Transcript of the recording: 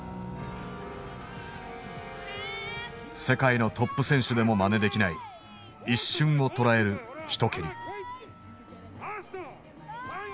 世界のトップ選手でもまねできない一瞬をとらえる一蹴り。